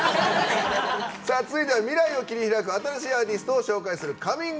続いては、未来を切り開く新しいアーティストを紹介する「ＣｏｍｉｎｇＵｐ！」。